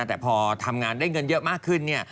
แต่พอทำงานได้เงินเยอะมากขึ้นเนี่ย